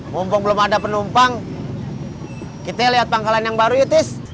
mumpung belum ada penumpang kita lihat pangkalan yang baru itu